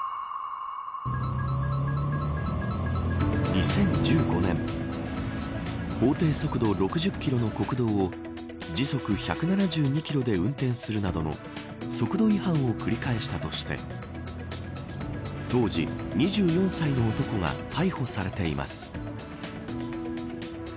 ２０１５年法定速度６０キロの国道を時速１７２キロで運転するなどの速度違反を繰り返したとして当時２４歳の男が逮捕されています。